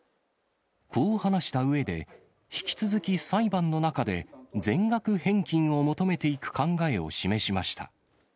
こう話したうえで、引き続き裁判の中で、全額返金を求めていく考えを示しました。